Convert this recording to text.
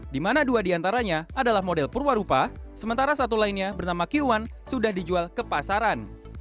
di mana dua diantaranya adalah model purwarupa sementara satu lainnya bernama q satu sudah dijual ke pasaran